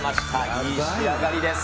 いい仕上がりです。